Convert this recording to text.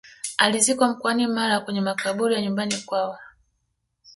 alizikwa mkoani mara kwenye makaburi ya nyumbani kwao